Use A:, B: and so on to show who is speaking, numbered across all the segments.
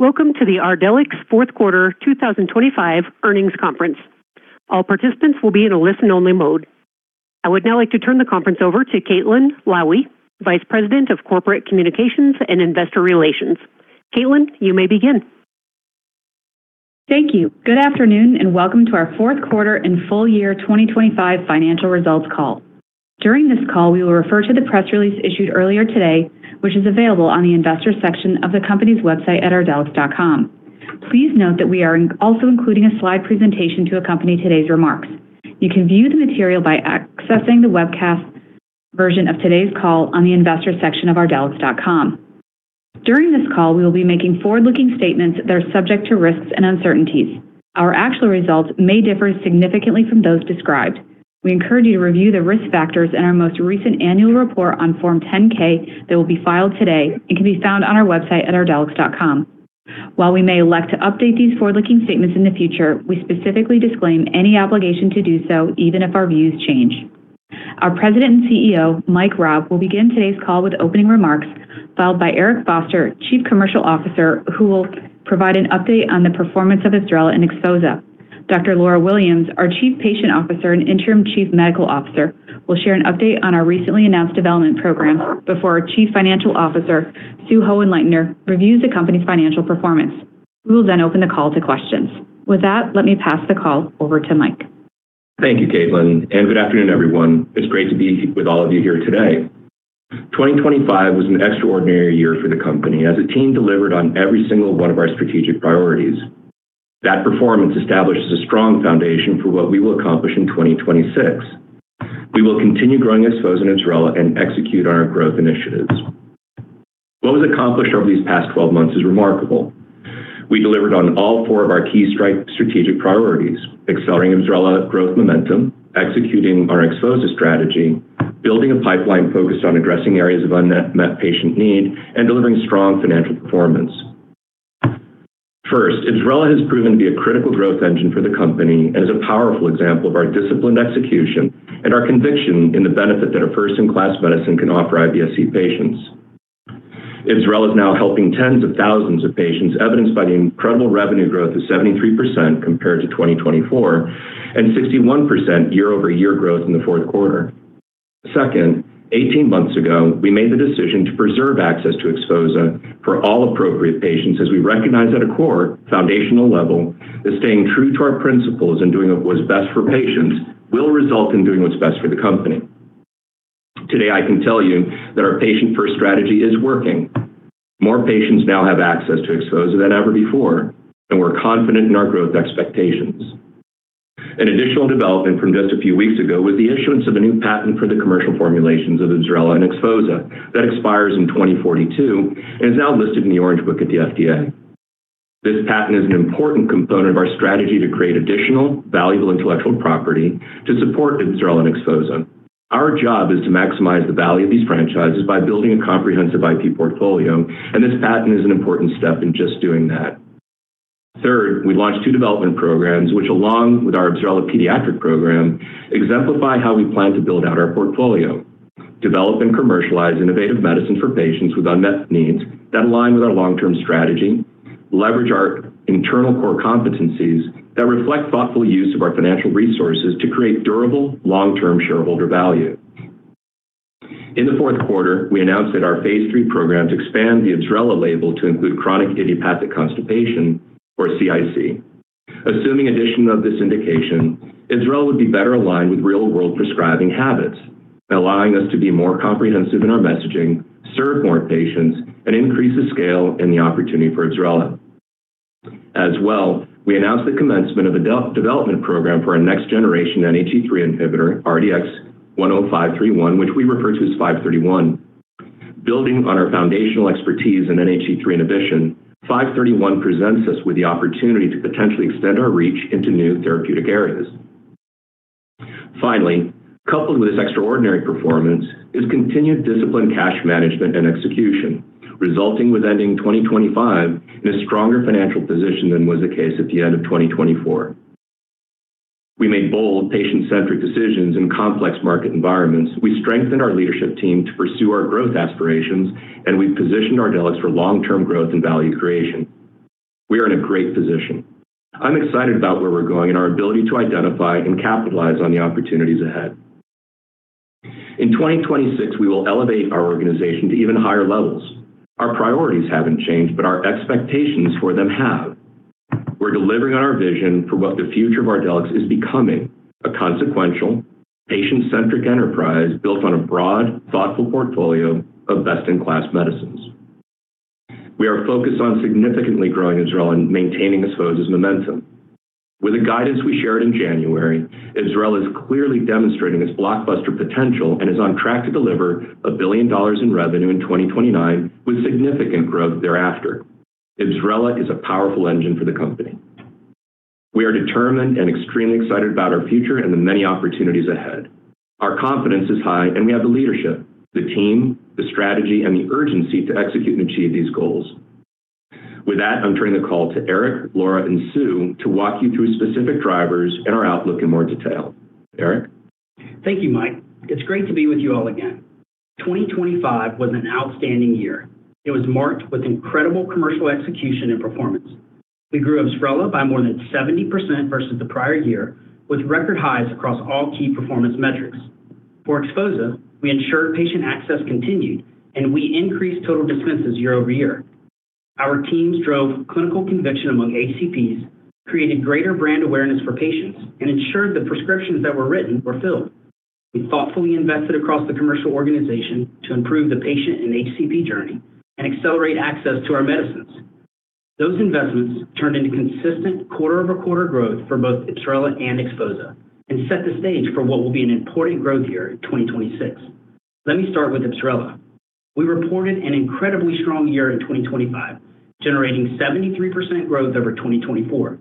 A: Welcome to the Ardelyx fourth quarter 2025 earnings conference. All participants will be in a listen-only mode. I would now like to turn the conference over to Caitlin Lowie, Vice President of Corporate Communications and Investor Relations. Caitlin, you may begin.
B: Thank you. Good afternoon, and welcome to our fourth quarter and full year 2025 financial results call. During this call, we will refer to the press release issued earlier today, which is available on the investor section of the company's website at ardelyx.com. Please note that we are also including a slide presentation to accompany today's remarks. You can view the material by accessing the webcast version of today's call on the investor section of ardelyx.com. During this call, we will be making forward-looking statements that are subject to risks and uncertainties. Our actual results may differ significantly from those described. We encourage you to review the risk factors in our most recent annual report on Form 10-K that will be filed today and can be found on our website at ardelyx.com. While we may elect to update these forward-looking statements in the future, we specifically disclaim any obligation to do so, even if our views change. Our President and CEO, Mike Raab, will begin today's call with opening remarks, followed by Eric Foster, Chief Commercial Officer, who will provide an update on the performance of IBSRELA and XPHOZAH. Dr. Laura Williams, our Chief Patient Officer and Interim Chief Medical Officer, will share an update on our recently announced development program before our Chief Financial Officer, Sue Hohenleitner, reviews the company's financial performance. We will then open the call to questions. With that, let me pass the call over to Mike.
C: Thank you, Caitlin, and good afternoon, everyone. It's great to be with all of you here today. 2025 was an extraordinary year for the company as the Team delivered on every single one of our strategic priorities. That performance establishes a strong foundation for what we will accomplish in 2026. We will continue growing IBSRELA and XPHOZAH and execute on our growth initiatives. What was accomplished over these past 12 months is remarkable. We delivered on all four of our key strategic priorities: accelerating IBSRELA growth momentum, executing our XPHOZAH strategy, building a pipeline focused on addressing areas of unmet medical patient need, and delivering strong financial performance. First, IBSRELA has proven to be a critical growth engine for the company and is a powerful example of our disciplined execution and our conviction in the benefit that a first-in-class medicine can offer IBS-C patients. IBSRELA is now helping tens of thousands of patients, evidenced by the incredible revenue growth of 73% compared to 2024, and 61% year-over-year growth in the fourth quarter. Second, 18 months ago, we made the decision to preserve access to XPHOZAH for all appropriate patients, as we recognized at a core foundational level that staying true to our principles and doing what was best for patients will result in doing what's best for the company. Today, I can tell you that our patient-first strategy is working. More patients now have access to XPHOZAH than ever before, and we're confident in our growth expectations. An additional development from just a few weeks ago was the issuance of a new patent for the commercial formulations of IBSRELA and XPHOZAH. That expires in 2042 and is now listed in the Orange Book at the FDA. This patent is an important component of our strategy to create additional valuable intellectual property to support IBSRELA and XPHOZAH. Our job is to maximize the value of these franchises by building a comprehensive IP portfolio, and this patent is an important step in just doing that. Third, we launched two development programs, which, along with our IBSRELA pediatric program, exemplify how we plan to build out our portfolio, develop and commercialize innovative medicines for patients with unmet needs that align with our long-term strategy, leverage our internal core competencies that reflect thoughtful use of our financial resources to create durable, long-term shareholder value. In the fourth quarter, we announced that our phase III programs expand the IBSRELA label to include chronic idiopathic constipation, or CIC. Assuming addition of this indication, IBSRELA would be better aligned with real-world prescribing habits, allowing us to be more comprehensive in our messaging, serve more patients, and increase the scale and the opportunity for IBSRELA. As well, we announced the commencement of a development program for our next-generation NHE3 inhibitor, RDX10531, which we refer to as 531. Building on our foundational expertise in NHE3 inhibition, 531 presents us with the opportunity to potentially extend our reach into new therapeutic areas. Finally, coupled with this extraordinary performance, is continued disciplined cash management and execution, resulting with ending 2025 in a stronger financial position than was the case at the end of 2024. We made bold, patient-centric decisions in complex market environments. We strengthened our leadership team to pursue our growth aspirations, and we've positioned Ardelyx for long-term growth and value creation. We are in a great position. I'm excited about where we're going and our ability to identify and capitalize on the opportunities ahead. In 2026, we will elevate our organization to even higher levels. Our priorities haven't changed, but our expectations for them have. We're delivering on our vision for what the future of Ardelyx is becoming: a consequential, patient-centric enterprise built on a broad, thoughtful portfolio of best-in-class medicines. We are focused on significantly growing IBSRELA and maintaining XPHOZAH's momentum. With the guidance we shared in January, IBSRELA is clearly demonstrating its blockbuster potential and is on track to deliver $1 billion in revenue in 2029, with significant growth thereafter. IBSRELA is a powerful engine for the company. We are determined and extremely excited about our future and the many opportunities ahead. Our confidence is high, and we have the leadership, the team, the strategy, and the urgency to execute and achieve these goals. With that, I'm turning the call to Eric, Laura, and Sue to walk you through specific drivers and our outlook in more detail. Eric?
D: Thank you, Mike. It's great to be with you all again 2025 was an outstanding year. It was marked with incredible commercial execution and performance. We grew IBSRELA by more than 70% versus the prior year, with record highs across all key performance metrics. For XPHOZAH, we ensured patient access continued, and we increased total dispenses year over year. Our teams drove clinical conviction among HCPs, created greater brand awareness for patients, and ensured the prescriptions that were written were filled. We thoughtfully invested across the commercial organization to improve the patient and HCP journey and accelerate access to our medicines. Those investments turned into consistent quarter-over-quarter growth for both IBSRELA and XPHOZAH, and set the stage for what will be an important growth year in 2026. Let me start with IBSRELA. We reported an incredibly strong year in 2025, generating 73% growth over 2024.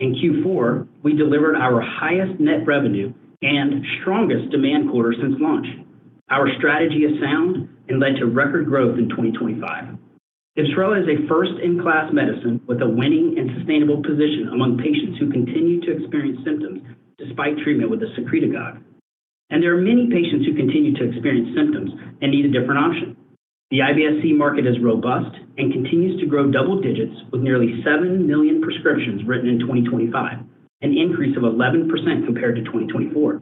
D: In Q4, we delivered our highest net revenue and strongest demand quarter since launch. Our strategy is sound and led to record growth in 2025. IBSRELA is a first-in-class medicine with a winning and sustainable position among patients who continue to experience symptoms despite treatment with a secretagogue. There are many patients who continue to experience symptoms and need a different option. The IBS-C market is robust and continues to grow double digits with nearly 7 million prescriptions written in 2025, an increase of 11% compared to 2024.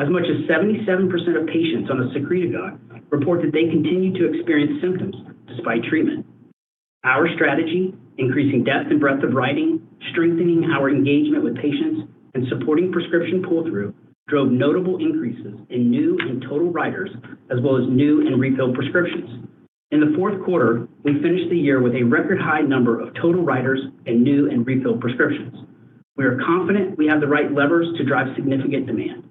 D: As much as 77% of patients on a secretagogue report that they continue to experience symptoms despite treatment. Our strategy, increasing depth and breadth of writing, strengthening our engagement with patients, and supporting prescription pull-through, drove notable increases in new and total writers, as well as new and refilled prescriptions. In the fourth quarter, we finished the year with a record high number of total writers and new and refilled prescriptions. We are confident we have the right levers to drive significant demand.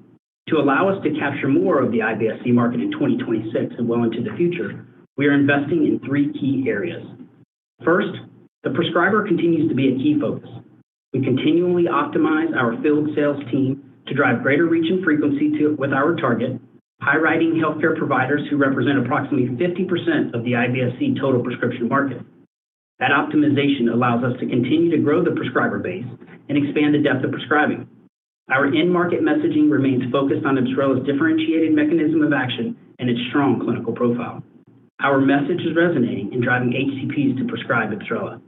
D: To allow us to capture more of the IBS-C market in 2026 and well into the future, we are investing in three key areas. First, the prescriber continues to be a key focus. We continually optimize our field sales team to drive greater reach and frequency with our target, high-writing healthcare providers who represent approximately 50% of the IBS-C total prescription market. That optimization allows us to continue to grow the prescriber base and expand the depth of prescribing. Our end-market messaging remains focused on IBSRELA's differentiated mechanism of action and its strong clinical profile. Our message is resonating in driving HCPs to prescribe IBSRELA.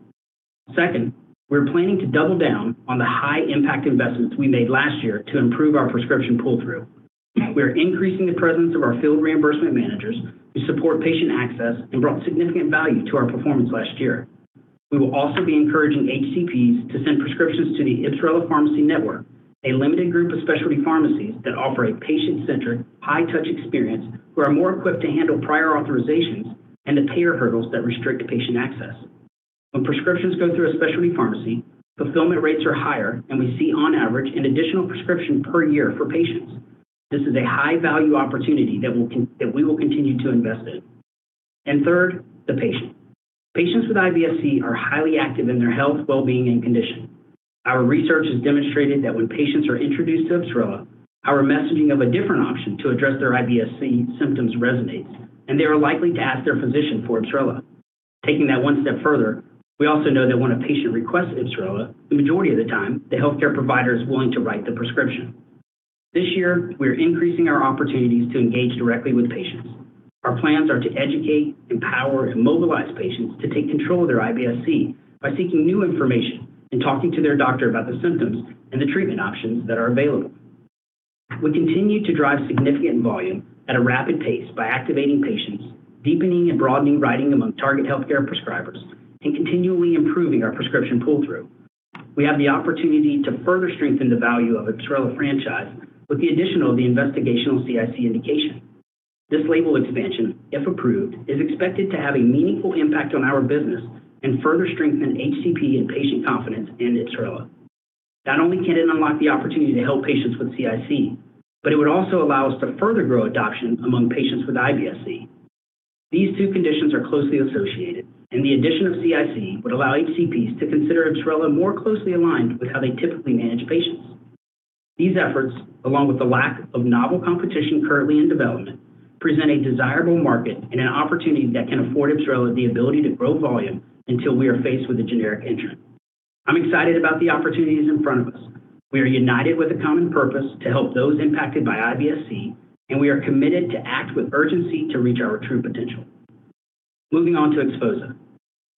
D: Second, we're planning to double down on the high-impact investments we made last year to improve our prescription pull-through. We are increasing the presence of our field reimbursement managers to support patient access and brought significant value to our performance last year. We will also be encouraging HCPs to send prescriptions to the IBSRELA Pharmacy Network, a limited group of specialty pharmacies that offer a patient-centered, high-touch experience, who are more equipped to handle prior authorizations and the payer hurdles that restrict patient access. When prescriptions go through a specialty pharmacy, fulfillment rates are higher, and we see, on average, an additional prescription per year for patients. This is a high-value opportunity that we will continue to invest in. And third, the patient. Patients with IBS-C are highly active in their health, well-being, and condition. Our research has demonstrated that when patients are introduced to IBSRELA, our messaging of a different option to address their IBS-C symptoms resonates, and they are likely to ask their physician for IBSRELA. Taking that one step further, we also know that when a patient requests IBSRELA, the majority of the time, the healthcare provider is willing to write the prescription. This year, we are increasing our opportunities to engage directly with patients. Our plans are to educate, empower, and mobilize patients to take control of their IBS-C by seeking new information and talking to their doctor about the symptoms and the treatment options that are available. We continue to drive significant volume at a rapid pace by activating patients, deepening and broadening writing among target healthcare prescribers, and continually improving our prescription pull-through. We have the opportunity to further strengthen the value of IBSRELA franchise with the addition of the investigational CIC indication. This label expansion, if approved, is expected to have a meaningful impact on our business and further strengthen HCP and patient confidence in IBSRELA. Not only can it unlock the opportunity to help patients with CIC, but it would also allow us to further grow adoption among patients with IBS-C. These two conditions are closely associated, and the addition of CIC would allow HCPs to consider IBSRELA more closely aligned with how they typically manage patients. These efforts, along with the lack of novel competition currently in development, present a desirable market and an opportunity that can afford IBSRELA the ability to grow volume until we are faced with a generic entrant. I'm excited about the opportunities in front of us. We are united with a common purpose to help those impacted by IBS-C, and we are committed to act with urgency to reach our true potential. Moving on to XPHOZAH.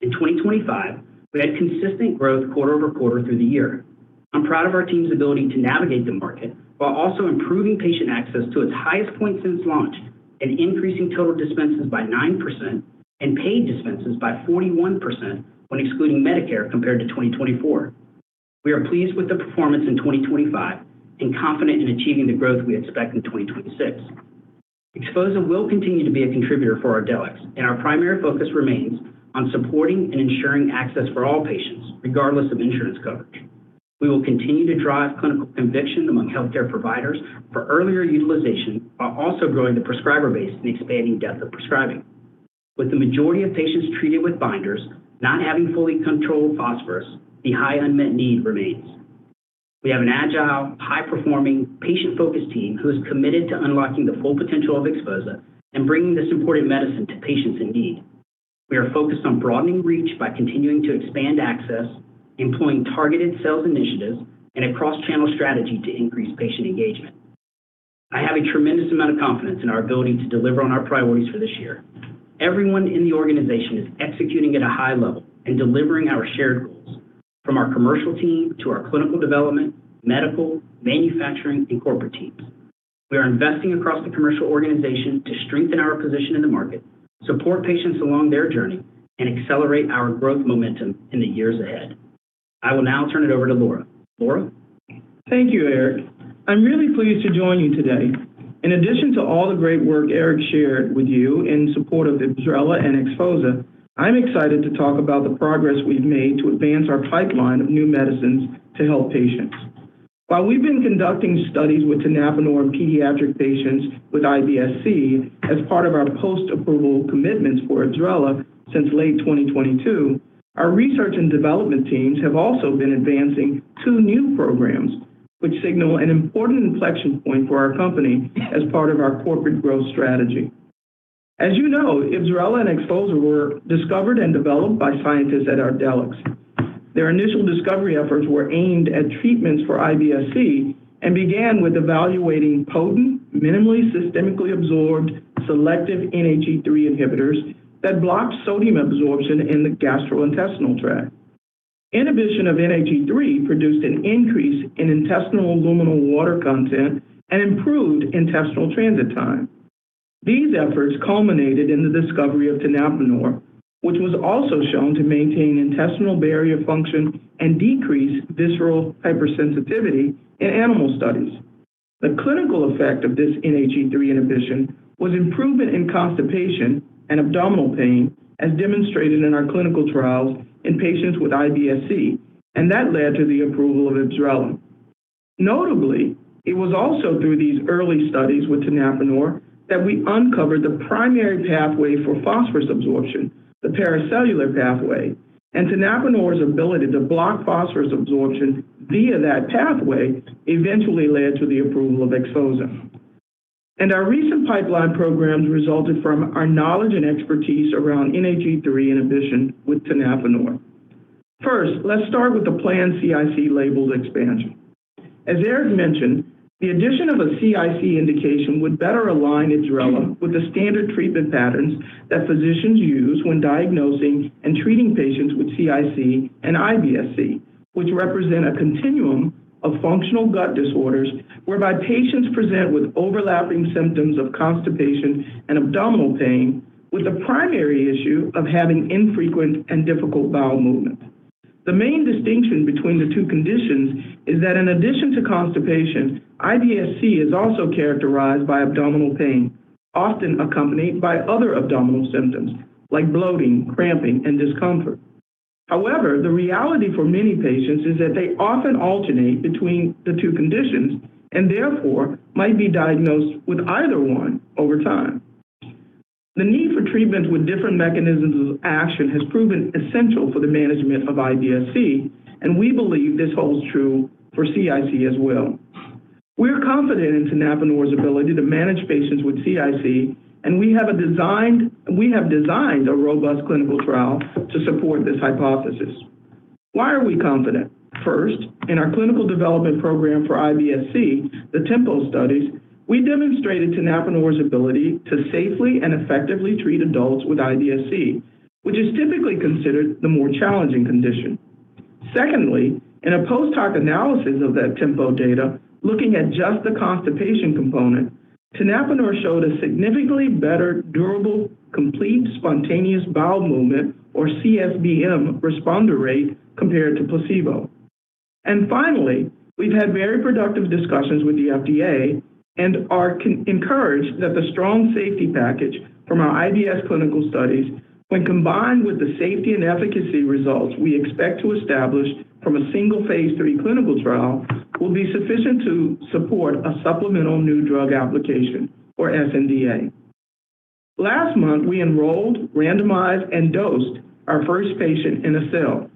D: In 2025, we had consistent growth quarter-over-quarter through the year. I'm proud of our team's ability to navigate the market while also improving patient access to its highest point since launch, and increasing total dispenses by 9% and paid dispenses by 41% when excluding Medicare compared to 2024. We are pleased with the performance in 2025 and confident in achieving the growth we expect in 2026. XPHOZAH will continue to be a contributor for Ardelyx, and our primary focus remains on supporting and ensuring access for all patients, regardless of insurance coverage. We will continue to drive clinical conviction among healthcare providers for earlier utilization, while also growing the prescriber base and expanding depth of prescribing. With the majority of patients treated with binders not having fully controlled phosphorus, the high unmet need remains. We have an agile, high-performing, patient-focused team who is committed to unlocking the full potential of XPHOZAH and bringing this important medicine to patients in need. We are focused on broadening reach by continuing to expand access, employing targeted sales initiatives, and a cross-channel strategy to increase patient engagement. I have a tremendous amount of confidence in our ability to deliver on our priorities for this year. Everyone in the organization is executing at a high level and delivering our shared goals, from our commercial team to our clinical development, medical, manufacturing, and corporate teams. We are investing across the commercial organization to strengthen our position in the market, support patients along their journey, and accelerate our growth momentum in the years ahead. I will now turn it over to Laura. Laura?
E: Thank you, Eric. I'm really pleased to join you today. In addition to all the great work Eric shared with you in support of IBSRELA and XPHOZAH, I'm excited to talk about the progress we've made to advance our pipeline of new medicines to help patients. While we've been conducting studies with tenapanor in pediatric patients with IBS-C as part of our post-approval commitments for IBSRELA since late 2022, our research and development teams have also been advancing two new programs, which signal an important inflection point for our company as part of our corporate growth strategy. As you know, IBSRELA and XPHOZAH were discovered and developed by scientists at Ardelyx. Their initial discovery efforts were aimed at treatments for IBS-C and began with evaluating potent, minimally systemically absorbed, selective NHE3 inhibitors that block sodium absorption in the gastrointestinal tract. Inhibition of NHE3 produced an increase in intestinal luminal water content and improved intestinal transit time. These efforts culminated in the discovery of tenapanor, which was also shown to maintain intestinal barrier function and decrease visceral hypersensitivity in animal studies. The clinical effect of this NHE3 inhibition was improvement in constipation and abdominal pain, as demonstrated in our clinical trials in patients with IBS-C, and that led to the approval of IBSRELA. Notably, it was also through these early studies with tenapanor that we uncovered the primary pathway for phosphorus absorption, the paracellular pathway, and tenapanor's ability to block phosphorus absorption via that pathway eventually led to the approval of XPHOZAH. And our recent pipeline programs resulted from our knowledge and expertise around NHE3 inhibition with tenapanor. First, let's start with the planned CIC labeled expansion. As Eric mentioned, the addition of a CIC indication would better align IBSRELA with the standard treatment patterns that physicians use when diagnosing and treating patients with CIC and IBS-C, which represent a continuum of functional gut disorders whereby patients present with overlapping symptoms of constipation and abdominal pain, with the primary issue of having infrequent and difficult bowel movements. The main distinction between the two conditions is that in addition to constipation, IBS-C is also characterized by abdominal pain, often accompanied by other abdominal symptoms like bloating, cramping, and discomfort. However, the reality for many patients is that they often alternate between the two conditions and therefore might be diagnosed with either one over time. The need for treatment with different mechanisms of action has proven essential for the management of IBS-C, and we believe this holds true for CIC as well. We're confident in tenapanor's ability to manage patients with CIC, and we have designed a robust clinical trial to support this hypothesis. Why are we confident? First, in our clinical development program for IBS-C, the TEMPO studies, we demonstrated tenapanor's ability to safely and effectively treat adults with IBS-C, which is typically considered the more challenging condition. Secondly, in a post-hoc analysis of that TEMPO data, looking at just the constipation component, tenapanor showed a significantly better durable, complete spontaneous bowel movement, or CSBM, responder rate compared to placebo. And finally, we've had very productive discussions with the FDA and are encouraged that the strong safety package from our IBS clinical studies, when combined with the safety and efficacy results we expect to establish from a single Phase III clinical trial, will be sufficient to support a supplemental new drug application or sNDA. Last month, we enrolled, randomized, and dosed our first patient in ACCEL,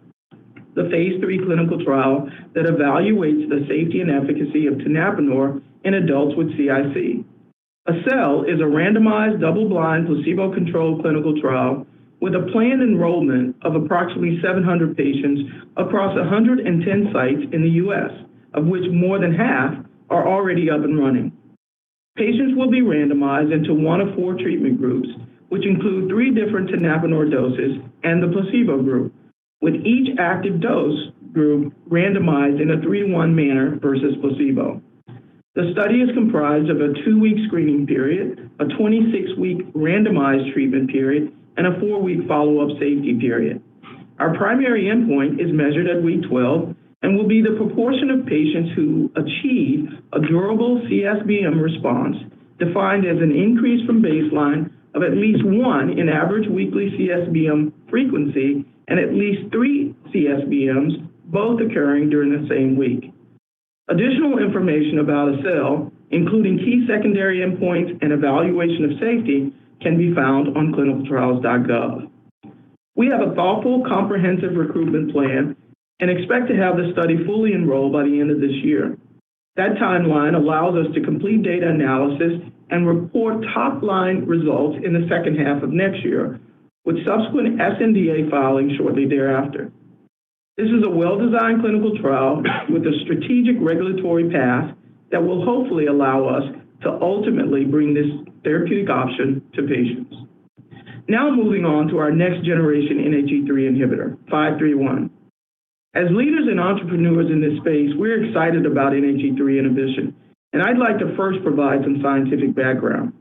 E: the phase lll clinical trial that evaluates the safety and efficacy of tenapanor in adults with CIC. ACCEL is a randomized, double-blind, placebo-controlled clinical trial with a planned enrollment of approximately 700 patients across 110 sites in the U.S., of which more than half are already up and running. Patients will be randomized into one of four treatment groups, which include three different tenapanor doses and the placebo group, with each active dose group randomized in a 3:1 manner versus placebo. The study is comprised of a 2-week screening period, a 26-week randomized treatment period, and a 4-week follow-up safety period. Our primary endpoint is measured at week 12 and will be the proportion of patients who achieve a durable CSBM response, defined as an increase from baseline of at least one in average weekly CSBM frequency and at least three CSBMs, both occurring during the same week. Additional information about ACCEL, including key secondary endpoints and evaluation of safety, can be found on clinicaltrials.gov. We have a thoughtful, comprehensive recruitment plan and expect to have the study fully enrolled by the end of this year. That timeline allows us to complete data analysis and report top-line results in the second half of next year, with subsequent sNDA filing shortly thereafter. This is a well-designed clinical trial with a strategic regulatory path that will hopefully allow us to ultimately bring this therapeutic option to patients. Now, moving on to our next generation, NHE3 inhibitor, 531. As leaders and entrepreneurs in this space, we're excited about NHE3 inhibition, and I'd like to first provide some scientific background.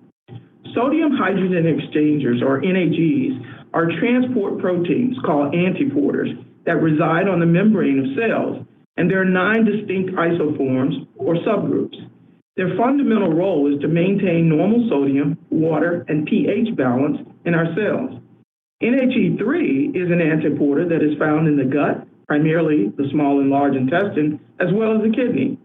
E: sodium hydrogen exchangers, or NHEs, are transport proteins called antiporters that reside on the membrane of cells, and there are nine distinct isoforms or subgroups. Their fundamental role is to maintain normal sodium, water, and pH balance in our cells. NHE3 is an antiporter that is found in the gut, primarily the small and large intestine, as well as the kidney.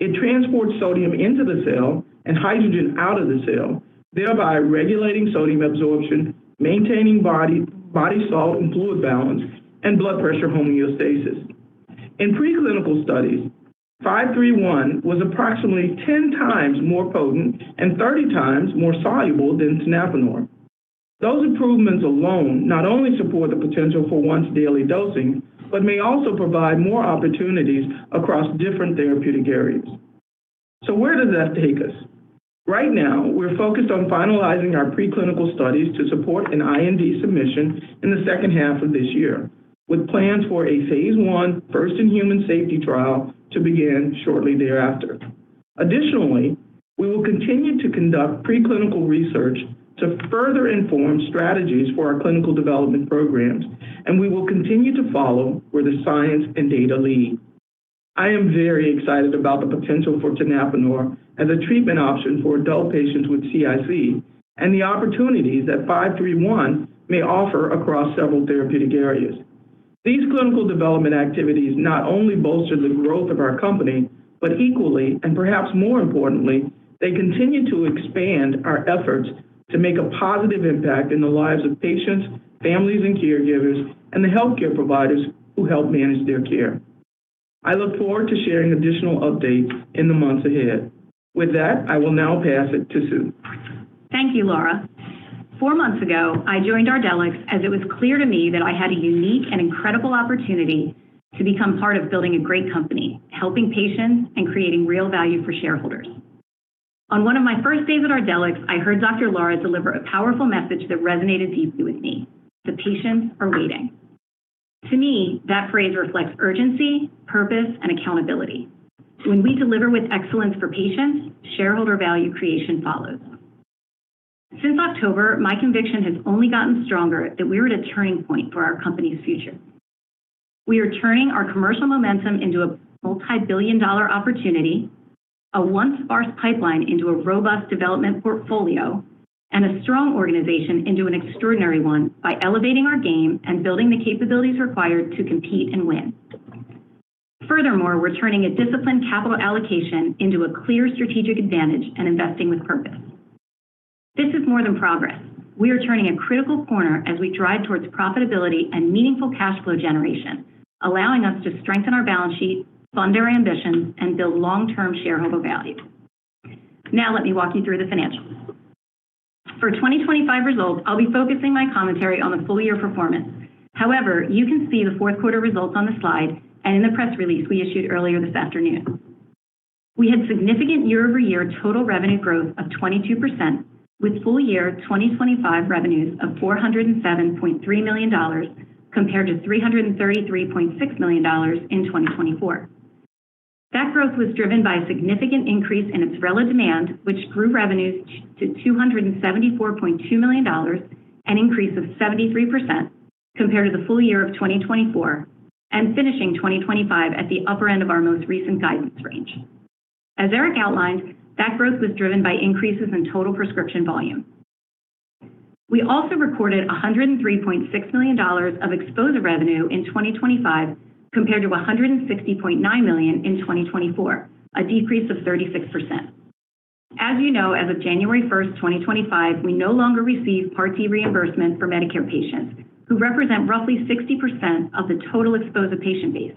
E: It transports sodium into the cell and hydrogen out of the cell, thereby regulating sodium absorption, maintaining body salt and fluid balance, and blood pressure homeostasis. In preclinical studies, 531 was approximately 10 times more potent and 30x more soluble than tenapanor. Those improvements alone not only support the potential for once daily dosing, but may also provide more opportunities across different therapeutic areas. So where does that take us? Right now, we're focused on finalizing our preclinical studies to support an IND submission in the second half of this year, with plans for a phase I first-in-human safety trial to begin shortly thereafter. Additionally, we will continue to conduct preclinical research to further inform strategies for our clinical development programs, and we will continue to follow where the science and data lead. I am very excited about the potential for tenapanor as a treatment option for adult patients with CIC and the opportunities that 531 may offer across several therapeutic areas. These clinical development activities not only bolster the growth of our company, but equally, and perhaps more importantly, they continue to expand our efforts to make a positive impact in the lives of patients, families, and caregivers, and the healthcare providers who help manage their care. I look forward to sharing additional updates in the months ahead. With that, I will now pass it to Sue.
F: Thank you, Laura. Four months ago, I joined Ardelyx, as it was clear to me that I had a unique and incredible opportunity to become part of building a great company, helping patients, and creating real value for shareholders. On one of my first days at Ardelyx, I heard Dr. Laura deliver a powerful message that resonated deeply with me: "The patients are waiting." To me, that phrase reflects urgency, purpose, and accountability. When we deliver with excellence for patients, shareholder value creation follows. Since October, my conviction has only gotten stronger that we are at a turning point for our company's future. We are turning our commercial momentum into a multi-billion dollar opportunity, a once sparse pipeline into a robust development portfolio, and a strong organization into an extraordinary one by elevating our game and building the capabilities required to compete and win. Furthermore, we're turning a disciplined capital allocation into a clear strategic advantage and investing with purpose. This is more than progress. We are turning a critical corner as we drive towards profitability and meaningful cash flow generation, allowing us to strengthen our balance sheet, fund our ambitions, and build long-term shareholder value. Now, let me walk you through the financials. For 2025 results, I'll be focusing my commentary on the full-year performance. However, you can see the fourth quarter results on the slide and in the press release we issued earlier this afternoon. We had significant year-over-year total revenue growth of 22%, with full year 2025 revenues of $407.3 million, compared to $333.6 million in 2024. That growth was driven by a significant increase in XPHOZAH demand, which grew revenues to $274.2 million, an increase of 73% compared to the full year of 2024, and finishing 2025 at the upper end of our most recent guidance range. As Eric outlined, that growth was driven by increases in total prescription volume. We also recorded $103.6 million of XPHOZAH revenue in 2025, compared to $160.9 million in 2024, a decrease of 36%. As you know, as of January 1, 2025, we no longer receive Part D reimbursement for Medicare patients, who represent roughly 60% of the total XPHOZAH patient base.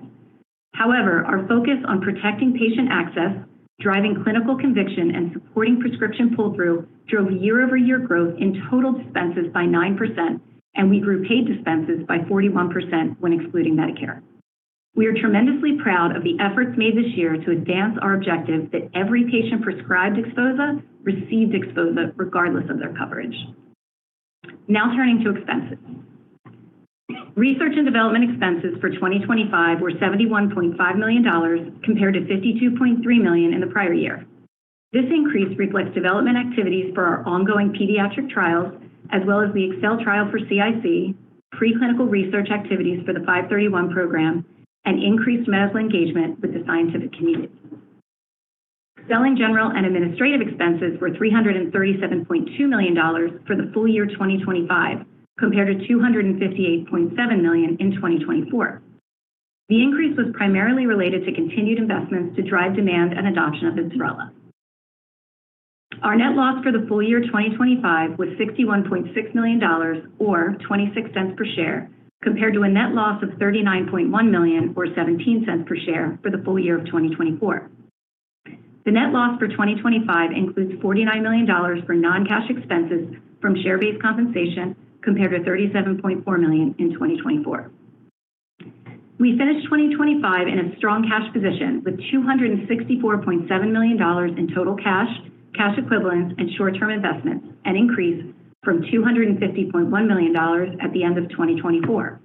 F: However, our focus on protecting patient access, driving clinical conviction, and supporting prescription pull-through drove year-over-year growth in total dispenses by 9%, and we grew paid dispenses by 41% when excluding Medicare. We are tremendously proud of the efforts made this year to advance our objective that every patient prescribed XPHOZAH receives XPHOZAH, regardless of their coverage. Now, turning to expenses. Research and development expenses for 2025 were $71.5 million, compared to $52.3 million in the prior year. This increase reflects development activities for our ongoing pediatric trials, as well as the ACCEL trial for CIC, preclinical research activities for the 531 program, and increased medical engagement with the scientific community. Selling, general, and administrative expenses were $337.2 million for the full year 2025, compared to $258.7 million in 2024. The increase was primarily related to continued investments to drive demand and adoption of IBSRELA. Our net loss for the full year 2025 was $61.6 million, or $0.26 per share, compared to a net loss of $39.1 million, or $0.17 per share, for the full year of 2024. The net loss for 2025 includes $49 million for non-cash expenses from share-based compensation, compared to $37.4 million in 2024. We finished 2025 in a strong cash position, with $264.7 million in total cash, cash equivalents, and short-term investments, an increase from $250.1 million at the end of 2024.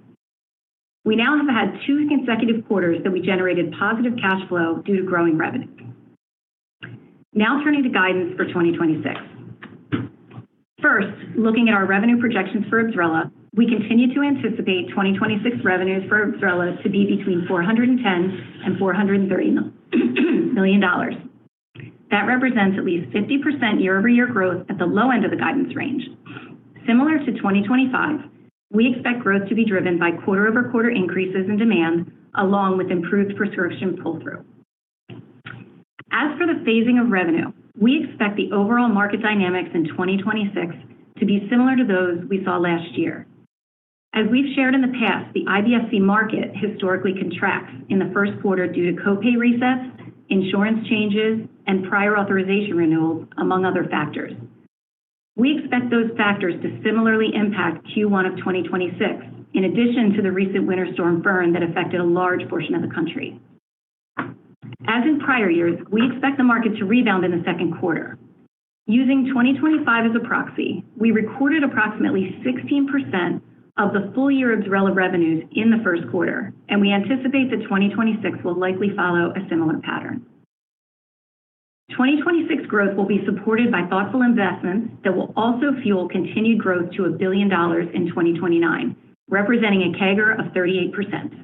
F: We now have had two consecutive quarters that we generated positive cash flow due to growing revenue. Now turning to guidance for 2026. First, looking at our revenue projections for IBSRELA, we continue to anticipate 2026 revenues for IBSRELA to be between $410 million and $430 million. That represents at least 50% year-over-year growth at the low end of the guidance range. Similar to 2025, we expect growth to be driven by quarter-over-quarter increases in demand, along with improved prescription pull-through. As for the phasing of revenue, we expect the overall market dynamics in 2026 to be similar to those we saw last year. As we've shared in the past, the IBS-C market historically contracts in the first quarter due to co-pay resets, insurance changes, and prior authorization renewals, among other factors. We expect those factors to similarly impact Q1 of 2026, in addition to the recent winter storm, Burn, that affected a large portion of the country. As in prior years, we expect the market to rebound in the second quarter. Using 2025 as a proxy, we recorded approximately 16% of the full-year IBSRELA revenues in the first quarter, and we anticipate that 2026 will likely follow a similar pattern. 2026 growth will be supported by thoughtful investments that will also fuel continued growth to $1 billion in 2029, representing a CAGR of 38%.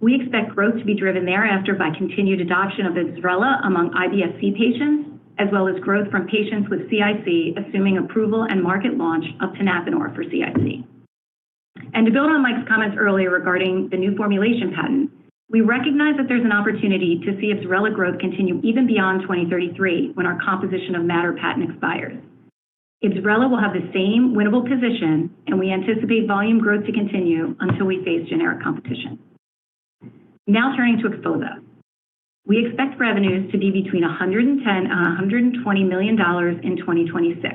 F: We expect growth to be driven thereafter by continued adoption of IBSRELA among IBS-C patients, as well as growth from patients with CIC, assuming approval and market launch of tenapanor for CIC. And to build on Mike's comments earlier regarding the new formulation patent, we recognize that there's an opportunity to see IBSRELA growth continue even beyond 2033, when our composition of matter patent expires. IBSRELA will have the same winnable position, and we anticipate volume growth to continue until we face generic competition. Now turning to XPHOZAH. We expect revenues to be between $110 million and $120 million in 2026.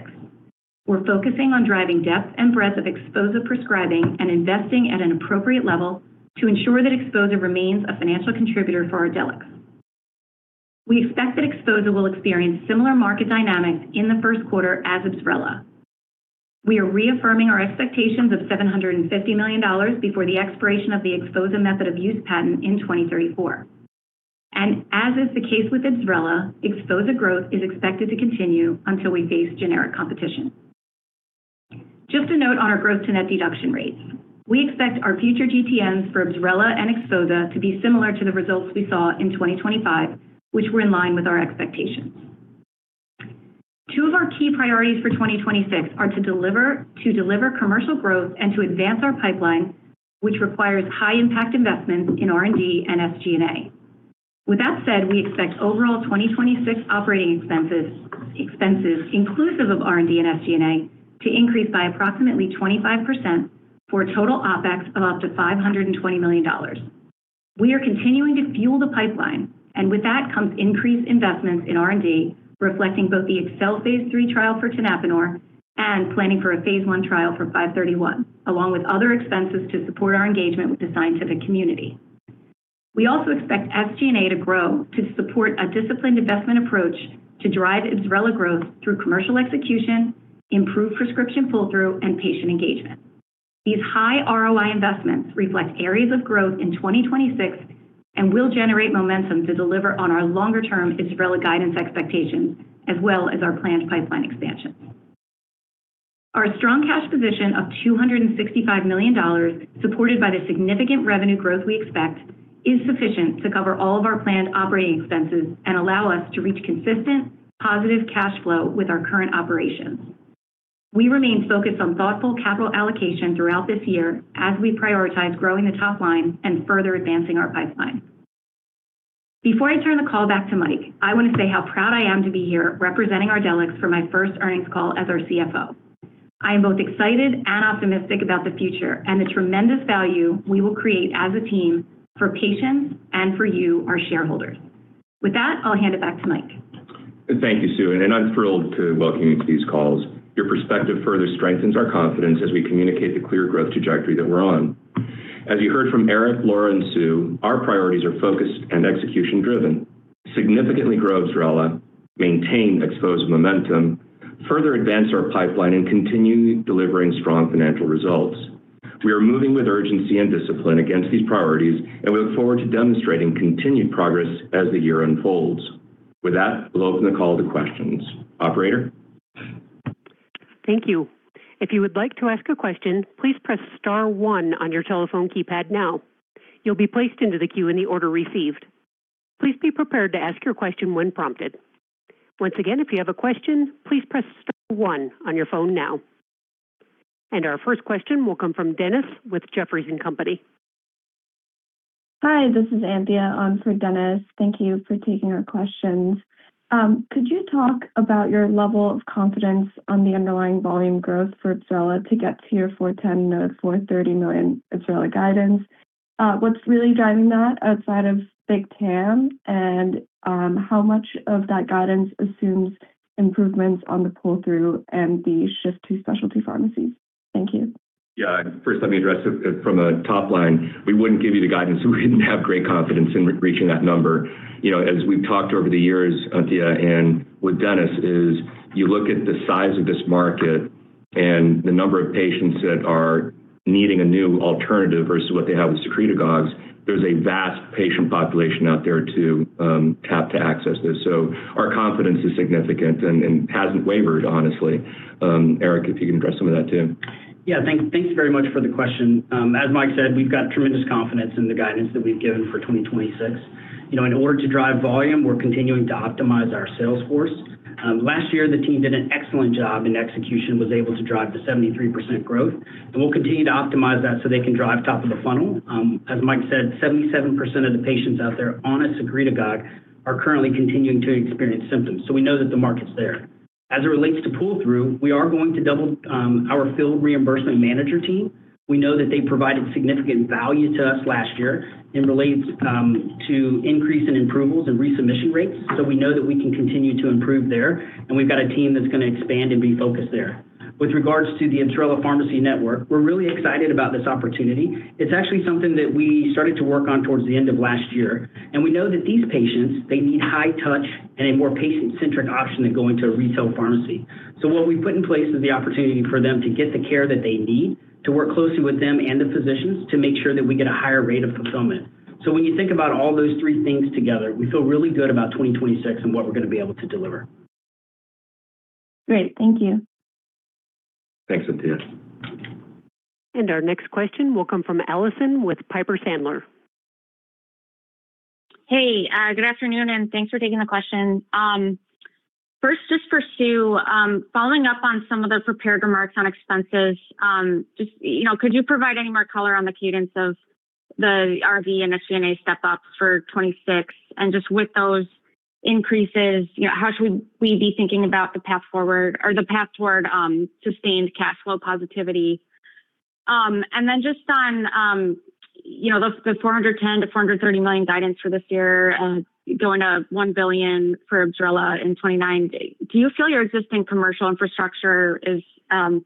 F: We're focusing on driving depth and breadth of XPHOZAH prescribing and investing at an appropriate level to ensure that XPHOZAH remains a financial contributor for Ardelyx. We expect that XPHOZAH will experience similar market dynamics in the first quarter as IBSRELA. We are reaffirming our expectations of $750 million before the expiration of the XPHOZAH method of use patent in 2034. And as is the case with IBSRELA, XPHOZAH growth is expected to continue until we face generic competition. Just a note on our gross-to-net deduction rates. We expect our future GTNs for IBSRELA and XPHOZAH to be similar to the results we saw in 2025, which were in line with our expectations. Two of our key priorities for 2026 are to deliver commercial growth and to advance our pipeline, which requires high-impact investments in R&D and SG&A. With that said, we expect overall 2026 operating expenses, expenses inclusive of R&D and SG&A, to increase by approximately 25% for a total OpEx of up to $520 million. We are continuing to fuel the pipeline, and with that comes increased investments in R&D, reflecting both the ACCEL phase lll trial for tenapanor and planning for a phase l trial for 531, along with other expenses to support our engagement with the scientific community. We also expect SG&A to grow to support a disciplined investment approach to drive IBSRELA growth through commercial execution, improved prescription pull-through, and patient engagement. These high ROI investments reflect areas of growth in 2026 and will generate momentum to deliver on our longer-term IBSRELA guidance expectations, as well as our planned pipeline expansion. Our strong cash position of $265 million, supported by the significant revenue growth we expect, is sufficient to cover all of our planned operating expenses and allow us to reach consistent, positive cash flow with our current operations. We remain focused on thoughtful capital allocation throughout this year as we prioritize growing the top line and further advancing our pipeline. Before I turn the call back to Mike, I want to say how proud I am to be here representing Ardelyx for my first earnings call as our CFO. I am both excited and optimistic about the future and the tremendous value we will create as a team for patients and for you, our shareholders. With that, I'll hand it back to Mike.
C: Thank you, Sue, and I'm thrilled to welcome you to these calls. Your perspective further strengthens our confidence as we communicate the clear growth trajectory that we're on. As you heard from Eric, Laura, and Sue, our priorities are focused and execution-driven: significantly grow IBSRELA, maintain XPHOZAH momentum, further advance our pipeline, and continue delivering strong financial results. We are moving with urgency and discipline against these priorities, and we look forward to demonstrating continued progress as the year unfolds. With that, we'll open the call to questions. Operator?
A: Thank you. If you would like to ask a question, please press star one on your telephone keypad now. You'll be placed into the queue in the order received. Please be prepared to ask your question when prompted. Once again, if you have a question, please press star one on your phone now. And our first question will come from Dennis with Jefferies and Company.
G: Hi, this is Anthea. I'm for Dennis. Thank you for taking our questions. Could you talk about your level of confidence on the underlying volume growth for IBSRELA to get to your $430 million IBSRELA guidance? What's really driving that outside of big TAM, and, how much of that guidance assumes improvements on the pull-through and the shift to specialty pharmacies? Thank you.
C: Yeah. First, let me address it from a top line. We wouldn't give you the guidance if we didn't have great confidence in re-reaching that number. You know, as we've talked over the years, Anthea, and with Dennis, is you look at the size of this market and the number of patients that are needing a new alternative versus what they have with secretagogues, there's a vast patient population out there to tap to access this. So our confidence is significant and hasn't wavered, honestly. Eric, if you can address some of that, too.
D: Yeah. Thanks very much for the question. As Mike said, we've got tremendous confidence in the guidance that we've given for 2026. You know, in order to drive volume, we're continuing to optimize our sales force. Last year, the team did an excellent job, and execution was able to drive the 73% growth, and we'll continue to optimize that so they can drive top of the funnel. As Mike said, 77% of the patients out there on a secretagogue are currently continuing to experience symptoms, so we know that the market's there. As it relates to pull-through, we are going to double our field reimbursement manager team. We know that they provided significant value to us last year in relates to increase in approvals and resubmission rates, so we know that we can continue to improve there, and we've got a team that's gonna expand and be focused there. With regards to the IBSRELA Pharmacy Network, we're really excited about this opportunity. It's actually something that we started to work on towards the end of last year, and we know that these patients, they need high touch and a more patient-centric option than going to a retail pharmacy. So what we put in place is the opportunity for them to get the care that they need, to work closely with them and the physicians to make sure that we get a higher rate of fulfillment. When you think about all those three things together, we feel really good about 2026 and what we're gonna be able to deliver.
G: Great. Thank you.
C: Thanks, Anthea.
A: Our next question will come from Allison with Piper Sandler.
H: Hey, good afternoon, and thanks for taking the question. First, just for Sue, following up on some of the prepared remarks on expenses, just, you know, could you provide any more color on the cadence of the R7D and the SG&A step-ups for 2026? And just with those increases, you know, how should we be thinking about the path forward or the path toward sustained cash flow positivity? And then just on, you know, the $410 million-$430 million guidance for this year, going to $1 billion for IBSRELA in 2029, do you feel your existing commercial infrastructure is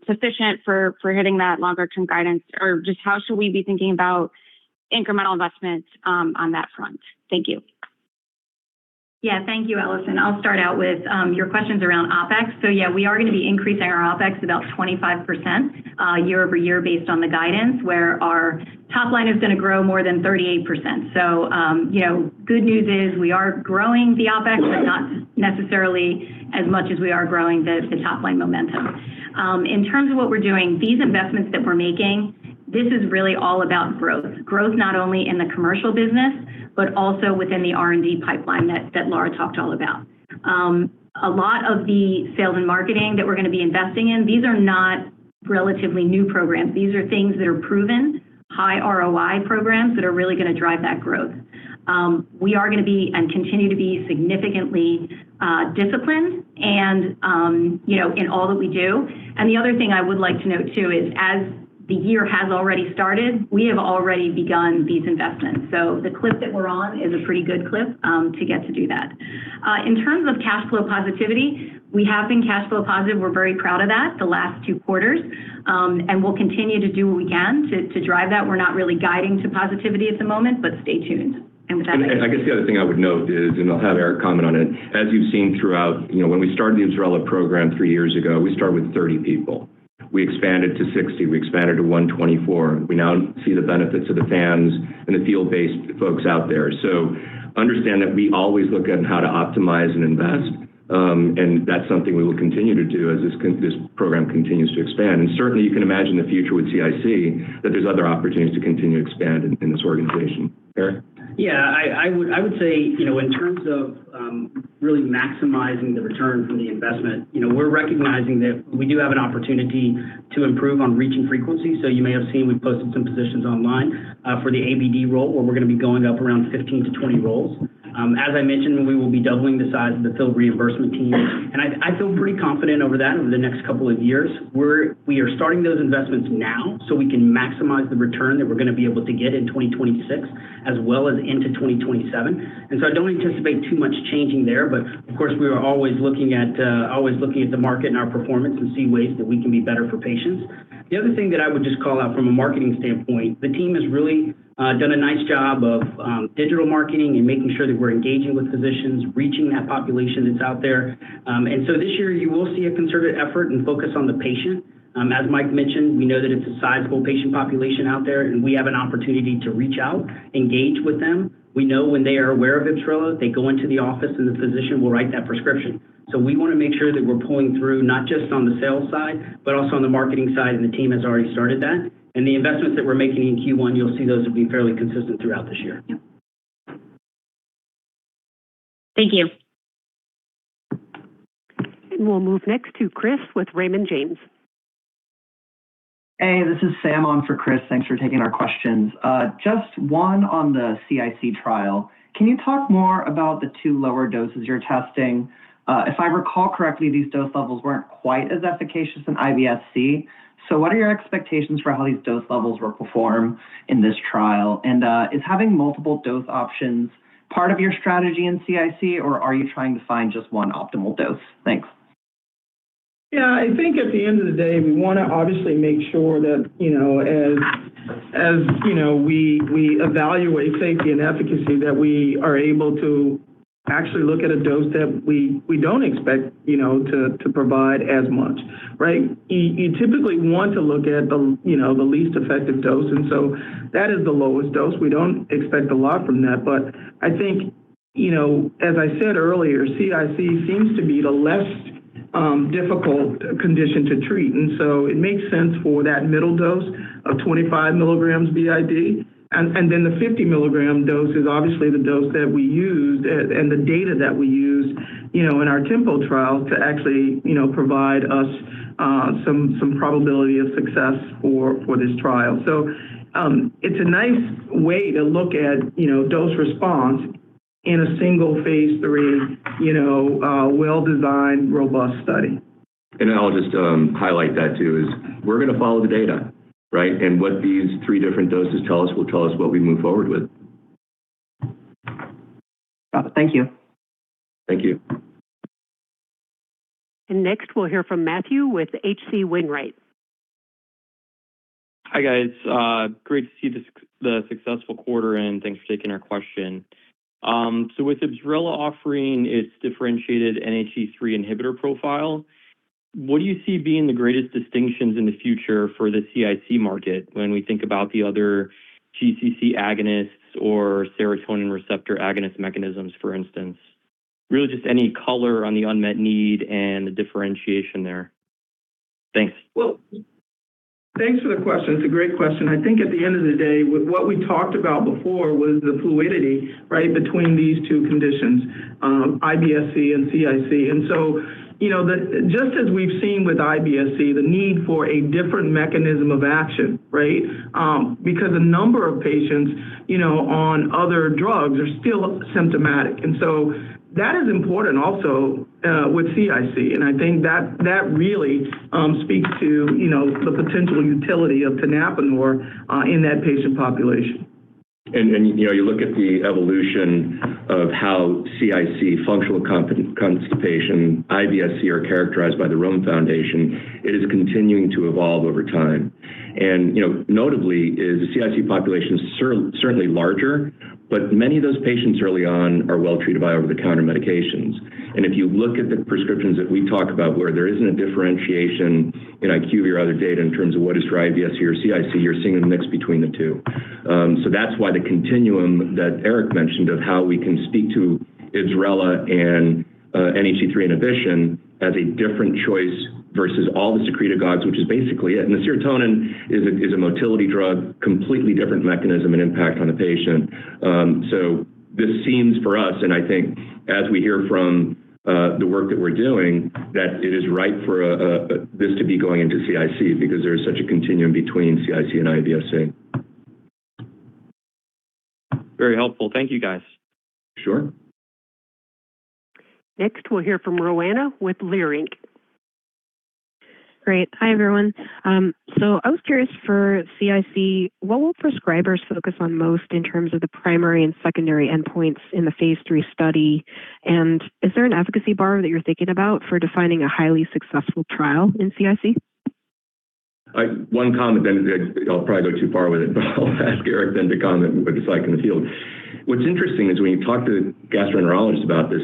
H: sufficient for hitting that longer-term guidance? Or just how should we be thinking about incremental investments on that front? Thank you.
F: Yeah. Thank you, Allison. I'll start out with your questions around OpEx. So yeah, we are gonna be increasing our OpEx about 25%, year-over-year, based on the guidance, where our top line is gonna grow more than 38%. So, you know, good news is, we are growing the OpEx, but not necessarily as much as we are growing the top-line momentum. In terms of what we're doing, these investments that we're making, this is really all about growth. Growth not only in the commercial business, but also within the R&D pipeline that Laura talked all about. A lot of the sales and marketing that we're gonna be investing in, these are not relatively new programs. These are things that are proven, high ROI programs that are really gonna drive that growth. We are gonna be, and continue to be, significantly disciplined, you know, in all that we do. The other thing I would like to note, too, is as the year has already started, we have already begun these investments. So the clip that we're on is a pretty good clip to get to do that. In terms of cash flow positivity, we have been cash flow positive. We're very proud of that the last two quarters, and we'll continue to do what we can to drive that. We're not really guiding to positivity at the moment, but stay tuned. With that-
C: I guess the other thing I would note is, and I'll have Eric comment on it. As you've seen throughout... You know, when we started the IBSRELA program three years ago, we started with 30 people. We expanded to 60, we expanded to 124. We now see the benefits of the fans and the field-based folks out there. So understand that we always look at how to optimize and invest, and that's something we will continue to do as this program continues to expand. And certainly, you can imagine the future with CIC, that there's other opportunities to continue to expand in this organization. Eric?
D: Yeah, I would say, you know, in terms of really maximizing the return from the investment, you know, we're recognizing that we do have an opportunity to improve on reach and frequency. So you may have seen, we've posted some positions online for the ABD role, where we're gonna be going up around 15-20 roles. As I mentioned, we will be doubling the size of the field reimbursement team, and I feel pretty confident over the next couple of years. We're starting those investments now, so we can maximize the return that we're gonna be able to get in 2026, as well as into 2027. I don't anticipate too much changing there, but of course, we are always looking at the market and our performance and see ways that we can be better for patients. The other thing that I would just call out from a marketing standpoint, the team has really done a nice job of digital marketing and making sure that we're engaging with physicians, reaching that population that's out there. This year you will see a concerted effort and focus on the patient. As Mike mentioned, we know that it's a sizable patient population out there, and we have an opportunity to reach out, engage with them. We know when they are aware of IBSRELA, they go into the office, and the physician will write that prescription. We wanna make sure that we're pulling through, not just on the sales side, but also on the marketing side, and the team has already started that. The investments that we're making in Q1, you'll see those will be fairly consistent throughout this year.
H: Thank you.
A: We'll move next to Chris with Raymond James.
I: Hey, this is Sam on for Chris. Thanks for taking our questions. Just one on the CIC trial. Can you talk more about the two lower doses you're testing? If I recall correctly, these dose levels weren't quite as efficacious in IBS-C. So what are your expectations for how these dose levels will perform in this trial? And, is having multiple dose options part of your strategy in CIC, or are you trying to find just one optimal dose? Thanks.
E: Yeah, I think at the end of the day, we wanna obviously make sure that, you know, as, as, you know, we, we evaluate safety and efficacy, that we are able to actually look at a dose that we, we don't expect, you know, to, to provide as much, right? You, you typically want to look at the, you know, the least effective dose, and so that is the lowest dose. We don't expect a lot from that. But I think, you know, as I said earlier, CIC seems to be the less difficult condition to treat, and so it makes sense for that middle dose of 25 milligrams BID. And then the 50 milligram dose is obviously the dose that we used, and the data that we used, you know, in our TEMPO trial to actually, you know, provide us some probability of success for this trial. So, it's a nice way to look at, you know, dose response in a single phase III, you know, well-designed, robust study.
C: I'll just highlight that too is we're gonna follow the data, right? What these three different doses tell us will tell us what we move forward with.
I: Got it. Thank you.
C: Thank you.
A: Next, we'll hear from Matthew with H.C. Wainwright.
J: Hi, guys. Great to see the successful quarter, and thanks for taking our question. So with IBSRELA offering its differentiated NHE3 inhibitor profile, what do you see being the greatest distinctions in the future for the CIC market when we think about the other GCC agonists or serotonin receptor agonist mechanisms, for instance? Really, just any color on the unmet need and the differentiation there. Thanks.
E: Well, thanks for the question. It's a great question. I think at the end of the day, with what we talked about before was the fluidity, right, between these two conditions, IBS-C and CIC. And so, you know, just as we've seen with IBS-C, the need for a different mechanism of action, right? Because a number of patients, you know, on other drugs are still symptomatic. And so that is important also with CIC, and I think that really speaks to, you know, the potential utility of tenapanor in that patient population.
C: You know, you look at the evolution of how CIC, functional constipation, IBS-C are characterized by the Rome Foundation, it is continuing to evolve over time. You know, notably the CIC population is certainly larger, but many of those patients early on are well treated by over-the-counter medications. And if you look at the prescriptions that we talked about, where there isn't a differentiation in IQVIA or other data in terms of what is for IBS-C or CIC, you're seeing a mix between the two. So that's why the continuum that Eric mentioned of how we can speak to IBSRELA and NHE3 inhibition as a different choice versus all the secretagogues, which is basically it. And the serotonin is a motility drug, completely different mechanism and impact on the patient. So this seems for us, and I think as we hear from the work that we're doing, that it is right for this to be going into CIC because there is such a continuum between CIC and IBS-C.
J: Very helpful. Thank you, guys.
C: Sure.
A: Next, we'll hear from Roanna with Leerink.
K: Great. Hi, everyone. So I was curious for CIC, what will prescribers focus on most in terms of the primary and secondary endpoints in the phase III study? And is there an efficacy bar that you're thinking about for defining a highly successful trial in CIC?
C: One comment, then I'll probably go too far with it, but I'll ask Eric then to comment what it's like in the field. What's interesting is when you talk to gastroenterologists about this,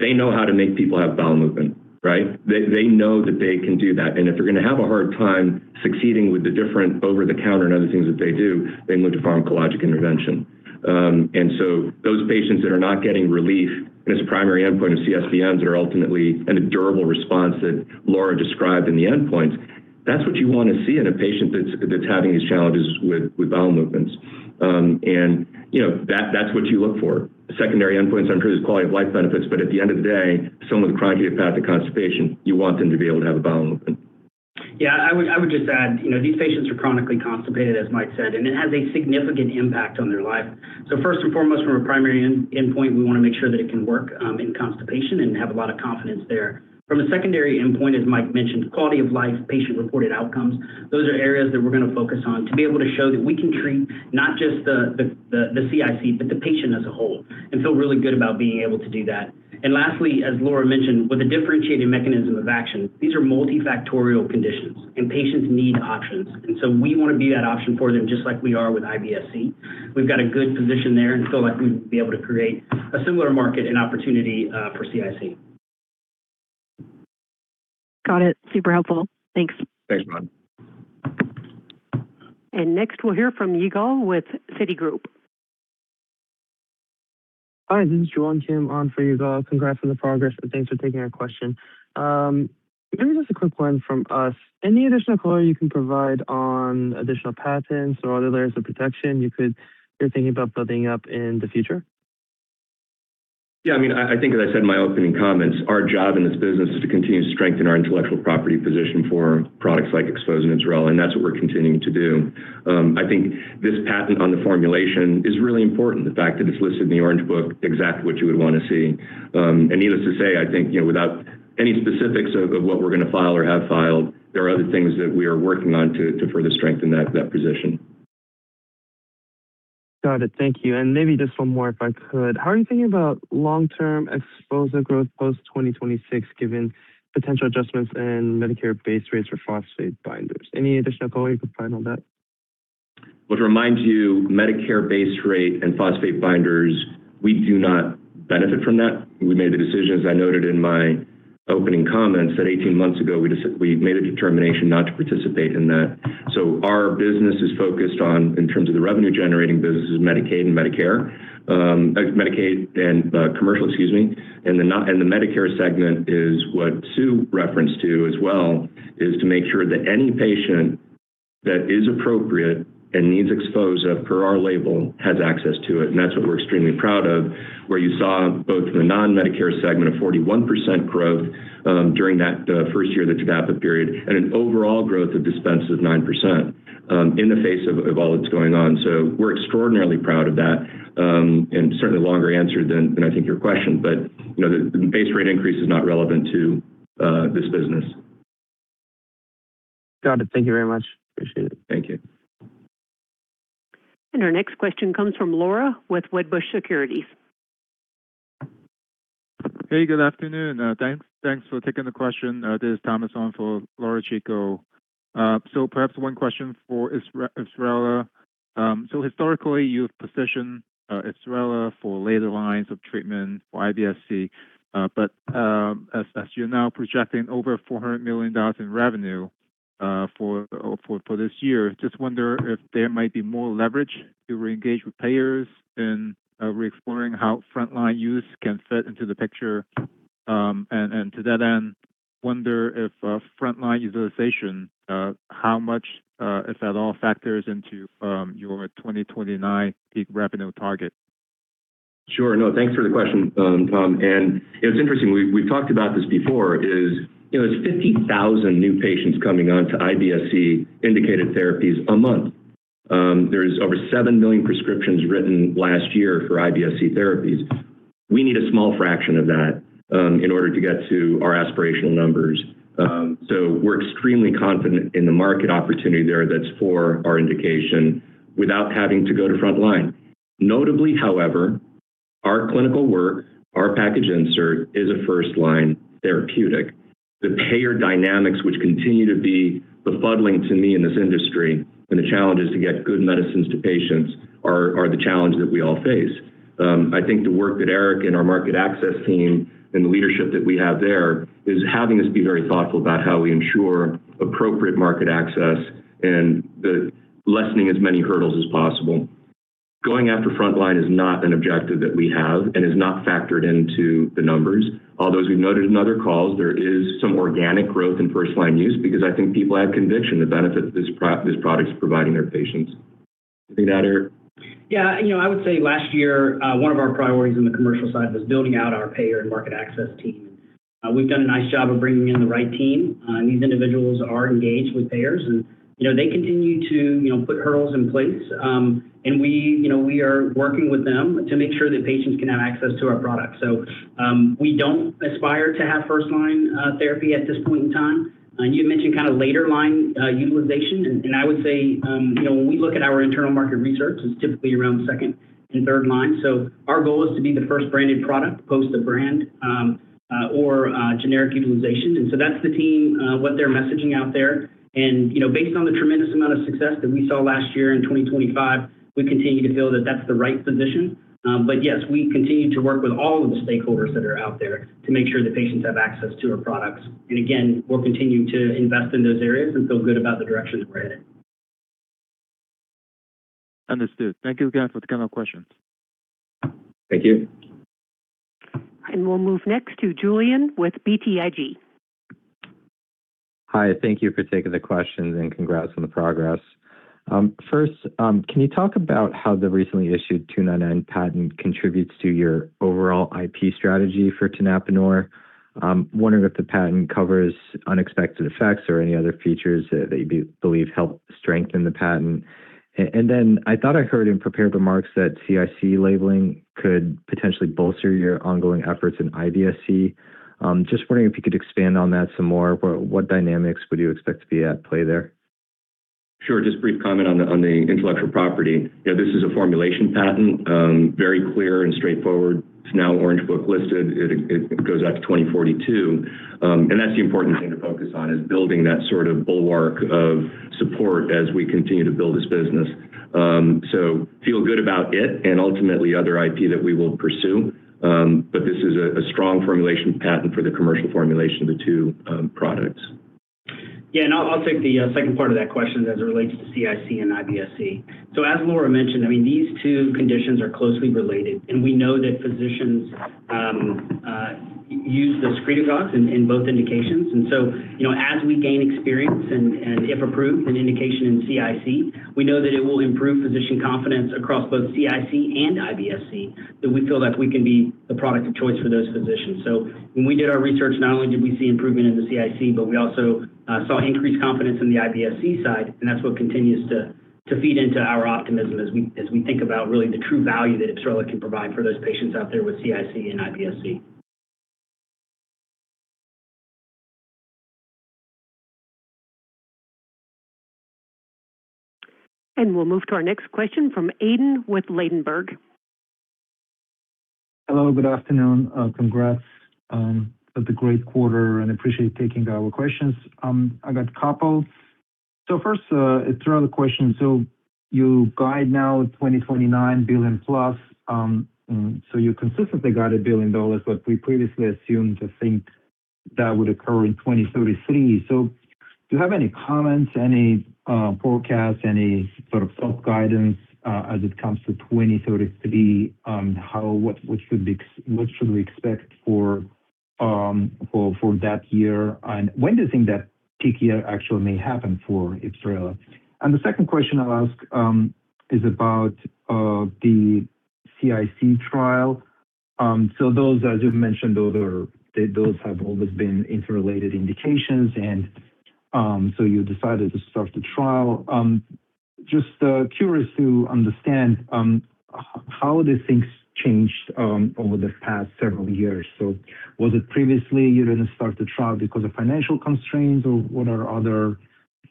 C: they know how to make people have bowel movement, right? They, they know that they can do that. And if they're gonna have a hard time succeeding with the different over-the-counter and other things that they do, they look to pharmacologic intervention. And so those patients that are not getting relief in this primary endpoint of CSBMs that are ultimately. And a durable response that Laura described in the endpoints, that's what you want to see in a patient that's, that's having these challenges with, with bowel movements. And, you know, that, that's what you look for. Secondary endpoints, I'm sure, there's quality of life benefits, but at the end of the day, someone with chronic idiopathic constipation, you want them to be able to have a bowel movement.
D: Yeah, I would, I would just add, you know, these patients are chronically constipated, as Mike said, and it has a significant impact on their life. So first and foremost, from a primary endpoint, we wanna make sure that it can work in constipation and have a lot of confidence there. From a secondary endpoint, as Mike mentioned, quality of life, patient-reported outcomes, those are areas that we're gonna focus on to be able to show that we can treat not just the CIC, but the patient as a whole, and feel really good about being able to do that. And lastly, as Laura mentioned, with a differentiating mechanism of action, these are multifactorial conditions, and patients need options. And so we wanna be that option for them, just like we are with IBS-C. We've got a good position there, and so I think we'll be able to create a similar market and opportunity for CIC.
K: Got it. Super helpful. Thanks.
C: Thanks, Rowen.
A: Next, we'll hear from Yigal with Citigroup.
L: Hi, this is Joohwan Kim on for Yigal. Congrats on the progress, and thanks for taking our question. Maybe just a quick one from us. Any additional color you can provide on additional patents or other layers of protection you're thinking about building up in the future?
C: Yeah, I mean, I think, as I said in my opening comments, our job in this business is to continue to strengthen our intellectual property position for products like XPHOZAH and IBSRELA, and that's what we're continuing to do. I think this patent on the formulation is really important. The fact that it's listed in the Orange Book, exactly what you would want to see. And needless to say, I think, you know, without any specifics of what we're going to file or have filed, there are other things that we are working on to further strengthen that position.
L: Got it. Thank you. Maybe just one more, if I could. How are you thinking about long-term XPHOZAH growth post-2026, given potential adjustments in Medicare base rates for phosphate binders? Any additional color you can provide on that?
C: Well, to remind you, Medicare base rate and phosphate binders, we do not benefit from that. We made a decision, as I noted in my opening comments, that 18 months ago, we made a determination not to participate in that. So our business is focused on, in terms of the revenue-generating business, is Medicaid and Medicare. Medicaid and commercial, excuse me. And the Non-Medicare and the Medicare segment is what Sue referenced to as well, is to make sure that any patient that is appropriate and needs XPHOZAH per our label has access to it. And that's what we're extremely proud of, where you saw both the Non-Medicare segment of 41% growth during that first year of the tenapanor period, and an overall growth of dispense of 9% in the face of all that's going on. We're extraordinarily proud of that. Certainly longer answer than I think your question, but, you know, the base rate increase is not relevant to this business.
L: Got it. Thank you very much. Appreciate it.
C: Thank you.
A: Our next question comes from Laura with Wedbush Securities.
M: Hey, good afternoon. Thanks for taking the question. This is Thomas on for Laura Chico. So perhaps one question for IBSRELA. So historically, you've positioned IBSRELA for later lines of treatment for IBS-C. But as you're now projecting over $400 million in revenue for this year, just wonder if there might be more leverage to reengage with payers in re-exploring how frontline use can fit into the picture. And to that end, wonder if frontline utilization, how much, if at all, factors into your 2029 peak revenue target?
C: Sure. No, thanks for the question, Tom. And it's interesting, we've talked about this before, you know, there's 50,000 new patients coming on to IBS-C-indicated therapies a month. There is over 7 million prescriptions written last year for IBS-C therapies. We need a small fraction of that, in order to get to our aspirational numbers. So we're extremely confident in the market opportunity there that's for our indication, without having to go to frontline. Notably, however, our clinical work, our package insert is a first-line therapeutic. The payer dynamics, which continue to be befuddling to me in this industry, and the challenge is to get good medicines to patients, are the challenge that we all face. I think the work that Eric and our market access team and the leadership that we have there is having us be very thoughtful about how we ensure appropriate market access and the lessening as many hurdles as possible. Going after frontline is not an objective that we have and is not factored into the numbers. Although, as we've noted in other calls, there is some organic growth in first-line use because I think people have conviction, the benefit this product is providing their patients. Anything to add, Eric?
D: Yeah. You know, I would say last year, one of our priorities in the commercial side was building out our payer and market access team. We've done a nice job of bringing in the right team, and these individuals are engaged with payers and, you know, they continue to, you know, put hurdles in place. And we, you know, we are working with them to make sure that patients can have access to our product. So, we don't aspire to have first-line therapy at this point in time. And you mentioned kind of later line utilization, and I would say, you know, when we look at our internal market research, it's typically around second and third line. So our goal is to be the first-branded product, post the brand or generic utilization. And so that's the team, what they're messaging out there. And, you know, based on the tremendous amount of success that we saw last year in 2025, we continue to feel that that's the right position. But yes, we continue to work with all of the stakeholders that are out there to make sure that patients have access to our products. And again, we'll continue to invest in those areas and feel good about the direction that we're headed.
M: Understood. Thank you, guys, for the kind of questions.
C: Thank you.
A: We'll move next to Julian with BTIG.
N: Hi, thank you for taking the questions, and congrats on the progress. First, can you talk about how the recently issued 299 patent contributes to your overall IP strategy for tenapanor? Wondering if the patent covers unexpected effects or any other features that you believe help strengthen the patent. And then I thought I heard in prepared remarks that CIC labeling could potentially bolster your ongoing efforts in IBS-C. Just wondering if you could expand on that some more. What dynamics would you expect to be at play there?
C: Sure. Just a brief comment on the intellectual property. You know, this is a formulation patent, very clear and straightforward. It's now Orange Book listed. It goes out to 2042. And that's the important thing to focus on, is building that sort of bulwark of support as we continue to build this business. So feel good about it and ultimately other IP that we will pursue. But this is a strong formulation patent for the commercial formulation of the two products. Yeah, and I'll take the second part of that question as it relates to CIC and IBS-C. So as Laura mentioned, I mean, these two conditions are closely related, and we know that physicians use the screening docs in both indications. And so, you know, as we gain experience and if approved an indication in CIC, we know that it will improve physician confidence across both CIC and IBS-C, that we feel that we can be the product of choice for those physicians. So when we did our research, not only did we see improvement in the CIC, but we also saw increased confidence in the IBS-C side, and that's what continues to feed into our optimism as we think about really the true value that IBSRELA can provide for those patients out there with CIC and IBS-C.
A: We'll move to our next question from Aydin with Ladenburg.
O: Hello, good afternoon. Congrats on the great quarter, and appreciate you taking our questions. I got a couple. First, it's around the question, you guide now $29 billion plus. You consistently got $1 billion, but we previously assumed to think that would occur in 2033. Do you have any comments, any forecasts, any sort of self-guidance as it comes to 2033? How, what, what should we expect for that year? When do you think that peak year actually may happen for IBSRELA? The second question I'll ask is about the CIC trial. As you've mentioned, those have always been interrelated indications, and you decided to start the trial. Just curious to understand how these things changed over the past several years. So was it previously you didn't start the trial because of financial constraints, or what are other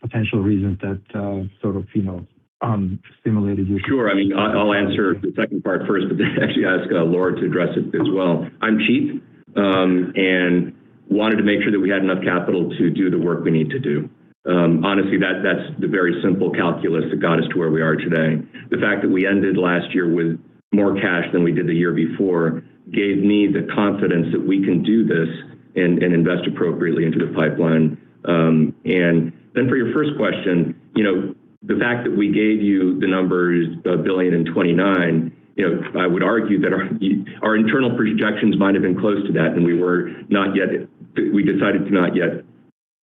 O: potential reasons that sort of, you know, stimulated you?
C: Sure. I mean, I'll answer the second part first, but then actually ask Laura to address it as well. I'm cheap, and wanted to make sure that we had enough capital to do the work we need to do. Honestly, that's the very simple calculus that got us to where we are today. The fact that we ended last year with more cash than we did the year before gave me the confidence that we can do this and invest appropriately into the pipeline. And then for your first question, you know, the fact that we gave you the numbers, $1.029 billion, you know, I would argue that our internal projections might have been close to that, and we were not yet. We decided to not yet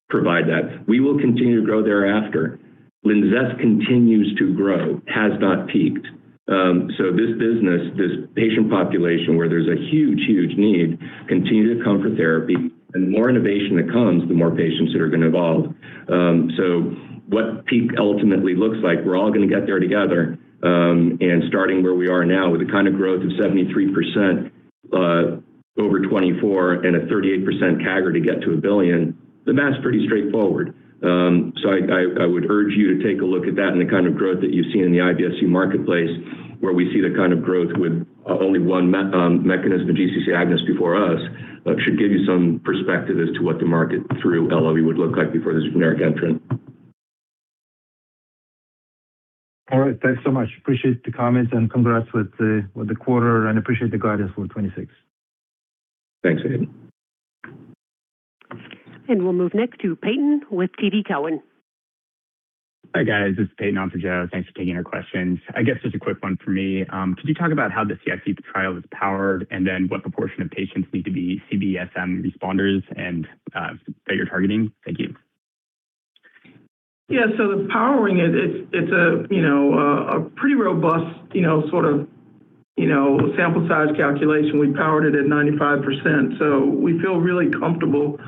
C: provide that. We will continue to grow thereafter. LINZESS continues to grow, has not peaked. So this business, this patient population, where there's a huge, huge need, continue to come for therapy, and the more innovation that comes, the more patients that are going to evolve. So what peak ultimately looks like, we're all gonna get there together. And starting where we are now, with the kind of growth of 73% over 2024 and a 38% CAGR to get to $1 billion, the math is pretty straightforward. So I would urge you to take a look at that and the kind of growth that you've seen in the IBS-C marketplace, where we see the kind of growth with only one mechanism of GCC agonists before us. That should give you some perspective as to what the market through LINZESS would look like before this generic entrant.
O: All right. Thanks so much. Appreciate the comments, and congrats with the quarter, and appreciate the guidance for 2026.
C: Thanks, Aydin.
A: We'll move next to Peyton with TD Cowen.
P: Hi, guys. This is Peyton on for Joe. Thanks for taking our questions. I guess just a quick one for me. Could you talk about how the CIC trial is powered, and then what proportion of patients need to be CBSM responders and that you're targeting? Thank you.
E: Yeah. So the powering is, it's a pretty robust, you know, sort of, sample size calculation. We powered it at 95%, so we feel really comfortable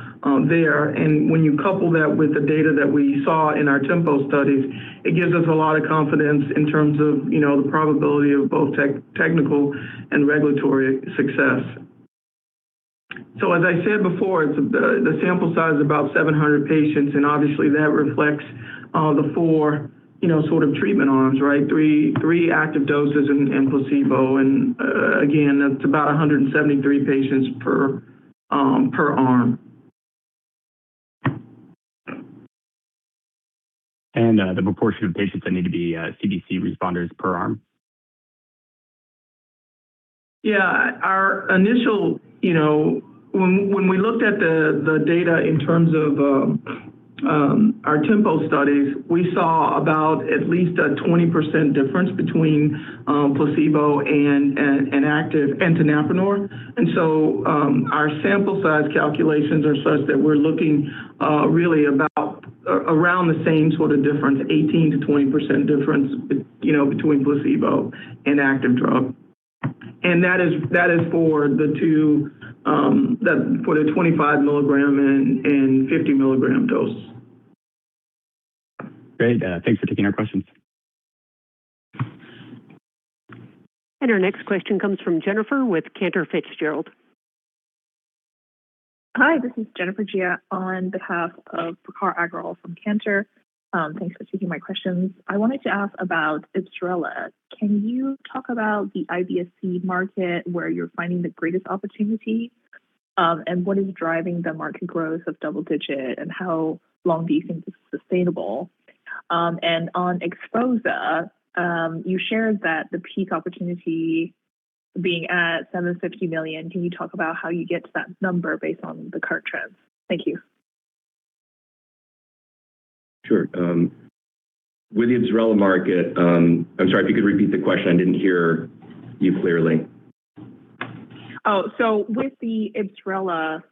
E: there. And when you couple that with the data that we saw in our TEMPO studies, it gives us a lot of confidence in terms of, you know, the probability of both technical and regulatory success. So, as I said before, it's the sample size is about 700 patients, and obviously, that reflects the four, you know, sort of treatment arms, right? Three active doses and placebo. And again, that's about 173 patients per arm.
P: The proportion of patients that need to be IBS-C responders per arm?
E: Yeah. Our initial, You know, when we looked at the data in terms of our TEMPO studies, we saw about at least a 20% difference between placebo and active tenapanor. And so, our sample size calculations are such that we're looking really about around the same sort of difference, 18%-20% difference, you know, between placebo and active drug. And that is for the two, the, for the 25 milligram and 50 milligram dose.
P: Great. Thanks for taking our questions.
A: Our next question comes from Jennifer with Cantor Fitzgerald.
Q: Hi, this is Jennifer Jia on behalf of Prakhar Agrawal from Cantor. Thanks for taking my questions. I wanted to ask about IBSRELA. Can you talk about the IBS-C market, where you're finding the greatest opportunity? And what is driving the market growth of double-digit, and how long do you think this is sustainable? And on XPHOZAH, you shared that the peak opportunity being at $750 million, can you talk about how you get to that number based on the current trends? Thank you.
C: Sure. With the IBSRELA market, I'm sorry, if you could repeat the question. I didn't hear you clearly.
Q: Oh, so with the IBSRELA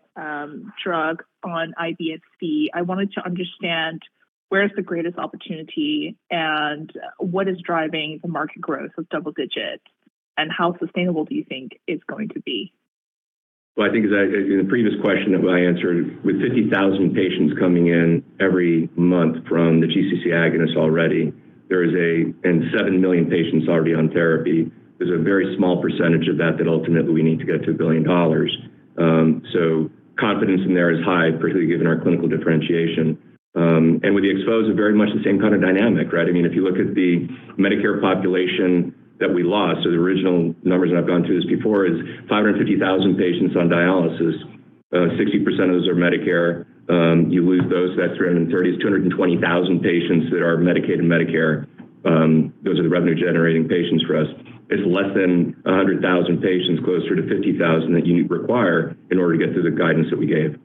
Q: drug on IBS-C, I wanted to understand where is the greatest opportunity and what is driving the market growth of double-digit, and how sustainable do you think it's going to be?
C: Well, I think as I, as in the previous question that I answered, with 50,000 patients coming in every month from the GCC agonist already, there is and 7 million patients already on therapy, there's a very small percentage of that, that ultimately we need to get to $1 billion. So confidence in there is high, particularly given our clinical differentiation. And with XPHOZAH, a very much the same kind of dynamic, right? I mean, if you look at the Medicare population that we lost, so the original numbers, and I've gone through this before, is 550,000 patients on dialysis. Sixty percent of those are Medicare. You lose those, that's around 330,000, 220,000 patients that are Medicaid and Medicare. Those are the revenue-generating patients for us. It's less than 100,000 patients, closer to 50,000 that you require in order to get to the guidance that we gave.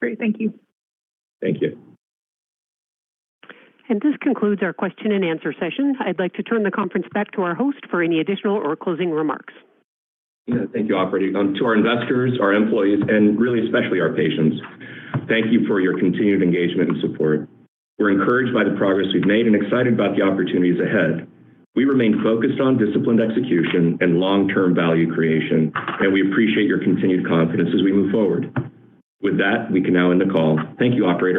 Q: Great. Thank you.
C: Thank you.
A: This concludes our question and answer session. I'd like to turn the conference back to our host for any additional or closing remarks.
C: Yeah, thank you, Operator. To our investors, our employees, and really, especially our patients, thank you for your continued engagement and support. We're encouraged by the progress we've made and excited about the opportunities ahead. We remain focused on disciplined execution and long-term value creation, and we appreciate your continued confidence as we move forward. With that, we can now end the call. Thank you, Operator.